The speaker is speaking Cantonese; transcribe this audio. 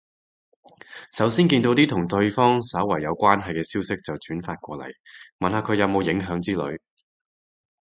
首先見到啲同對方稍為有關係嘅消息就轉發過嚟，問下佢有冇影響之類